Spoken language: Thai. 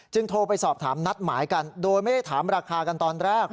โทรไปสอบถามนัดหมายกันโดยไม่ได้ถามราคากันตอนแรก